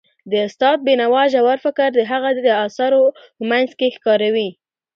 د استاد بینوا ژور فکر د هغه د اثارو په منځ کې ښکاري.